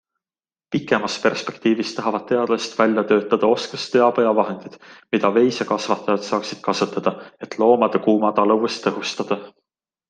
Pikemas perspektiivis tahavad teadlased välja töötada oskusteabe ja vahendid, mida veisekasvatajad saaksid kasutada, et loomade kuumataluvust tõhustada.